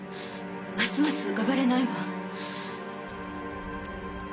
ますます浮かばれないわ。